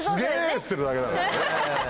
っつってるだけだから。